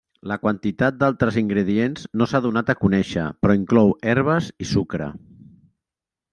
La quantitat d'altres ingredients no s'ha donat a conèixer però inclou herbes i sucre.